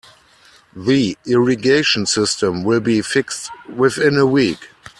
The irrigation system will be fixed within a week.